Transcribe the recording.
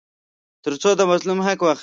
تر څو د مظلوم حق واخلي.